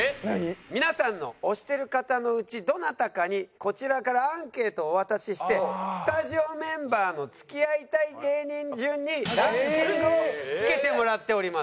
皆さんの推してる方のうちどなたかにこちらからアンケートをお渡ししてスタジオメンバーの付き合いたい芸人順にランキングをつけてもらっております。